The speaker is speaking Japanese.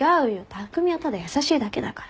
匠はただ優しいだけだから。